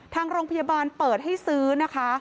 ทางโรงพยาบาลเปิดให้ซื้อนะคะ